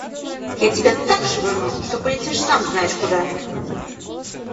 Я тебя так швырну, что полетишь, сам знаешь, куда!